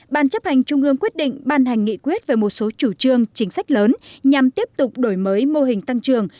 ban chấp hành trung ương quyết định ban hành nghị quyết về một số chủ trương chính sách lớn nhằm tiếp tục đổi mới mô hình tăng trường